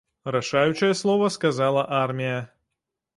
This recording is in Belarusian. Рашаючае слова сказала армія.